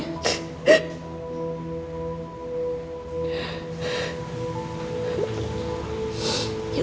yuk makan yuk